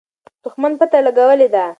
دښمن پته لګولې ده.